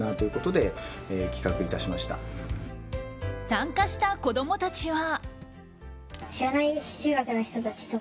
参加した子供たちは。